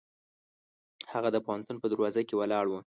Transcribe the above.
هغه د پوهنتون په دروازه کې ولاړ و.